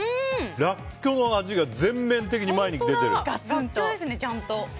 らっきょうの味が全面的に前に来てる。